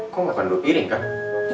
kok makan dua piring kah